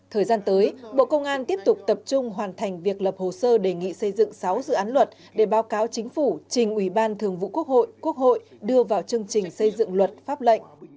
thời gian tới bộ công an tiếp tục tập trung hoàn thành việc lập hồ sơ đề nghị xây dựng sáu dự án luật để báo cáo chính phủ trình ủy ban thường vụ quốc hội quốc hội đưa vào chương trình xây dựng luật pháp lệnh